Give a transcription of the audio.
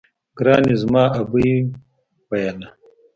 ګراني زما ابۍ ويله